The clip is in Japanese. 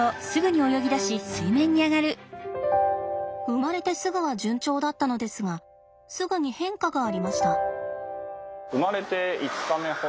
生まれてすぐは順調だったのですがすぐに変化がありました。